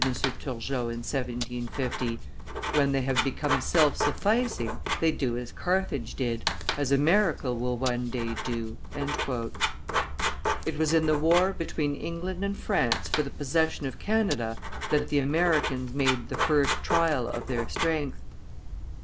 Turgot in 1750; "when they have become self sufficing, they do as Carthage did, as America will one day do." It was in the war between England and France for the possession of Canada that the Americans made the first trial of their strength.